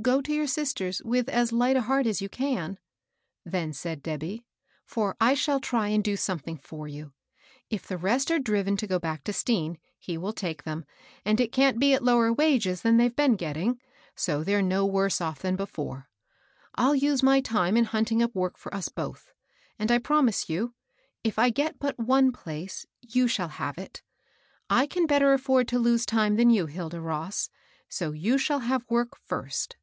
^^ Go to your sisters with as light a heart as you can," then said Debby, " for I shall try and do something for you. If the rest are driven to go back to Stean, he will take them, and it can't be at lower wages than they've been getting; so they're no worse off than before. I'll use my time in hunting up work for us both; and, I promise you, if I get but one place, you shall have it. I can better afford to lose time than you, Hilda Ross ; so you shall have work first."